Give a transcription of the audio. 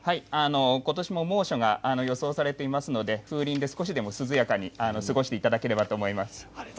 ことしも猛暑が予想されていますので風鈴で涼やかに過ごしていただきたいと思います。